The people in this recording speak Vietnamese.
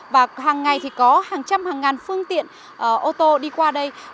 và hàng ngày thì có hàng trăm hàng ngàn phương tiện ô tô đi qua đây